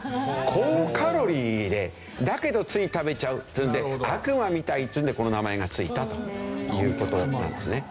高カロリーでだけどつい食べちゃうっていうんで悪魔みたいっていうんでこの名前が付いたという事なんですね。